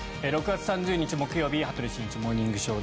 ６月３０日、木曜日「羽鳥慎一モーニングショー」。